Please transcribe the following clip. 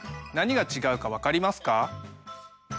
何が違うか分かりますか？